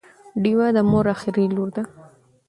ډیوه د مور اخري لور ده